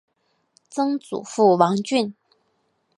曾祖父王俊。